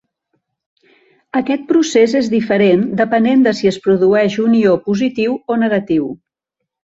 Aquest procés és diferent, depenent de si es produeix un ió positiu o negatiu.